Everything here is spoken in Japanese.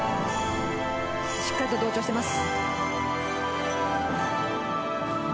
しっかり同調しています。